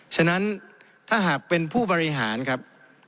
ฉะนั้นถ้าหากเป็นผู้บริหารครับ